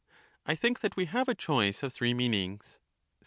I think that we have a choice of three meanings.